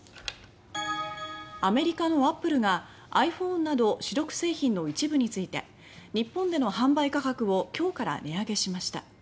アメリカのアップルがｉＰｈｏｎｅなど主力製品の一部について日本での販売価格を今日から値上げしました。